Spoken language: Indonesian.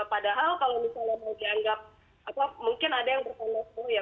padahal kalau misalnya mau dianggap mungkin ada yang berpengaruh